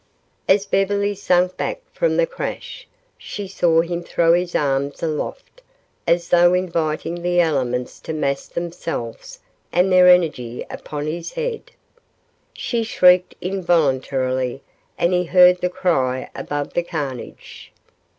As Beverly sank back from the crash, she saw him throw his arms aloft as though inviting the elements to mass themselves and their energy upon his head. She shrieked involuntarily and he heard the cry above the carnage.